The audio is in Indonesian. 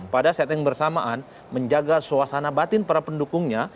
pada setting bersamaan menjaga suasana batin para pendukungnya